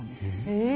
へえ。